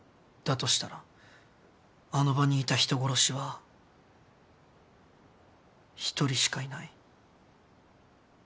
としたらあの場にいた人殺しは一人しかいない。